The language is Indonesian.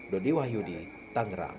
donde wahyudi tangerang